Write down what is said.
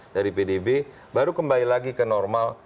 dari pdb baru kembali lagi ke normal